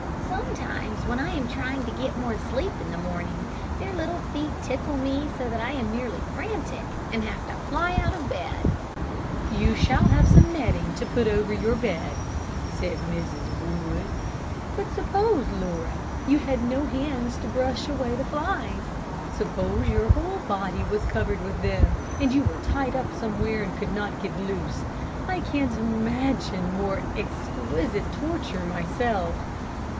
Sometimes when I am trying to get more sleep in the morning, their little feet tickle me so that I am nearly frantic and have to fly out of bed." "You shall have some netting to put over your bed," said Mrs. Wood; "but suppose, Laura, you had no hands to brush away the flies. Suppose your whole body was covered with them, and you were tied up somewhere and could not get loose. I can't imagine more exquisite torture myself.